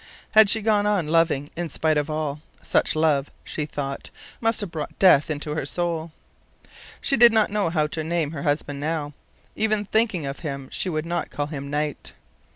Had she gone on loving in spite of all, such love, she thought, must have brought death into her soul. She did not know how to name her husband now. Even in thinking of him she would not call him "Knight."